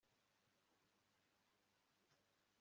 ntabwo nkunda amafarashi